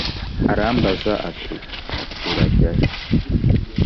arambaza ati urajya he?